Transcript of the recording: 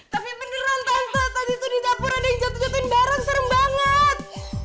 tapi beneran tante tadi tuh di dapur ada yang jatuh jatuhin barang serem banget